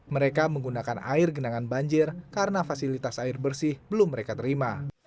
mereka menggunakan air genangan banjir karena fasilitas air bersih belum mereka terima